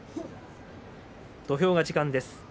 土俵が時間です。